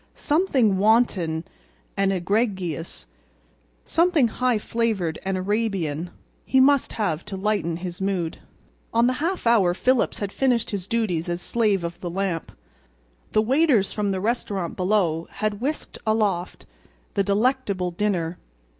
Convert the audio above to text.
Something wanton and egregious, something high flavored and Arabian, he must have to lighten his mood. On the half hour Phillips had finished his duties as slave of the lamp. The waiters from the restaurant below had whisked aloft the delectable dinner.